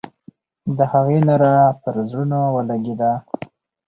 د هغې ناره پر زړونو ولګېده.